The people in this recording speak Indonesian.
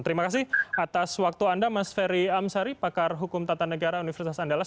terima kasih atas waktu anda mas ferry amsari pakar hukum tata negara universitas andalas